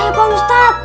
bukan saya pak ustadz